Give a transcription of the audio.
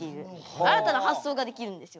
新たな発想ができるんですよ。